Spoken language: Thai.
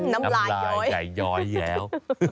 น้ำลายใหญ่ย้อยอีกแล้ว